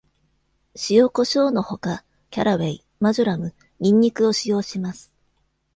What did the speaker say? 塩コショウのほか、キャラウェイ、マジョラム、にんにくを使用します。